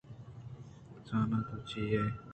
زاناں تو بلوچے ئے